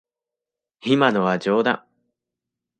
今のは冗談。